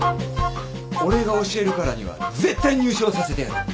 俺が教えるからには絶対入賞させてやる！